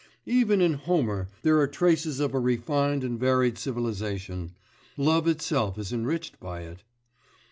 Even in Homer there are traces of a refined and varied civilisation; love itself is enriched by it.